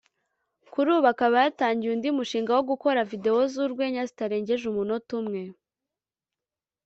kuri ubu akaba yatangiye undi mushinga wo gukora Video z’urwenya zitarengeje umunota umwe